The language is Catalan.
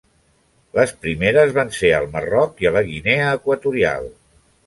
Les primeres van ser al Marroc i la Guinea Equatorial.